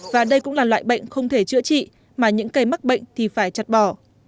và đây cũng là loại bệnh không thể chữa trị mà những cây mắc bệnh thì phải chặt bỏ